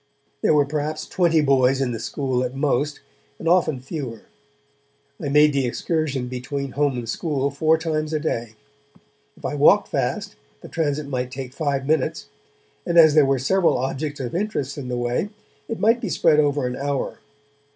There were perhaps twenty boys in the school at most, and often fewer. I made the excursion between home and school four times a day; if I walked fast, the transit might take five minutes, and, as there were several objects of interest in the way, it might be spread over an hour.